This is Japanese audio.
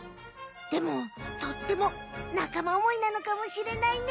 でもとってもなかま思いなのかもしれないね。